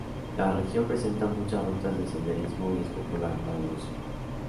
La región presenta muchas rutas de senderismo y es popular para el ocio.